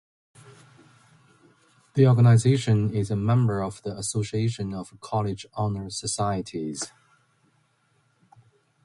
The organization is a member of the Association of College Honor Societies.